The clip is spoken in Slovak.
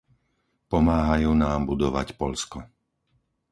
Pomáhajú nám budovať Poľsko.